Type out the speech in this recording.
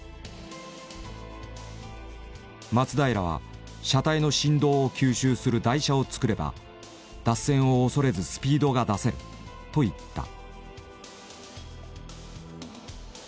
松平は車体の振動を吸収する台車を造れば脱線を恐れずスピードが出せると言った。